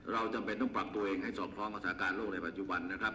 จำเป็นต้องปรับตัวเองให้สอดคล้องกับสถานการณ์โลกในปัจจุบันนะครับ